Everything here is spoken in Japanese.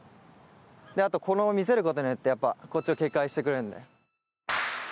あと見せることによってこっちを警戒してくれるので。